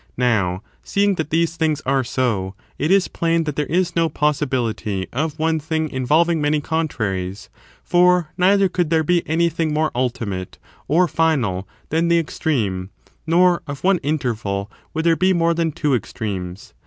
Now, seeing that these things are so, it is plain that there is no possibility of one thing involving many contraries; for neither cotild there be anything more ultimate, or final, than the extreme, nor of one interval would there be more than two extremes.